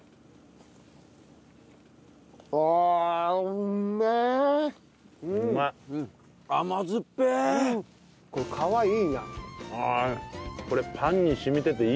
ああうまい。